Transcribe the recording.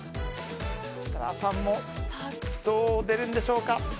設楽さんもどうでるんでしょうか。